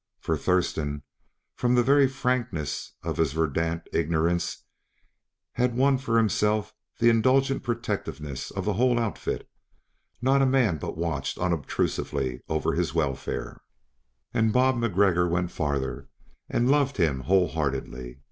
For Thurston, from the very frankness of his verdant ignorance, had won for himself the indulgent protectiveness of the whole outfit; not a man but watched unobtrusively over his welfare and Bob MacGregor went farther and loved him whole heartedly.